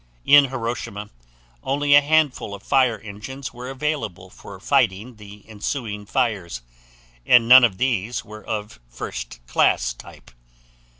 In Hiroshima only a handful of fire engines were available for fighting the ensuing fires, and none of these were of first class type.